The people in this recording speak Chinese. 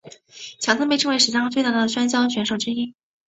强森被视为史上最伟大的摔角选手之一。